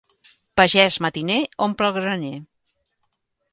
Pagès matiner omple el graner.